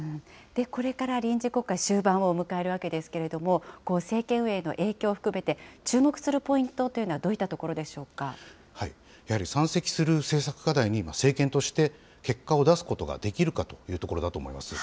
これから臨時国会終盤を迎えるわけですけれども、この政権運営の影響含めて、注目するポイントというのはどういったところでやはり山積する政策課題に政権として結果を出すことができるかというところだと思います。